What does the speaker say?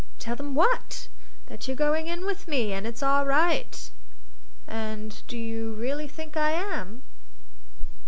"Tell them what?" "That you're going in with me, and it's all right." "And do you really think I am?"